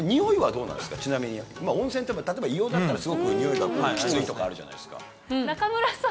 ちなみに温泉って例えば硫黄だったらすごくニオイがキツいとかあるじゃないですか。